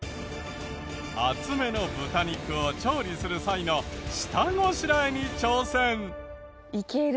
厚めの豚肉を調理する際の下ごしらえに挑戦。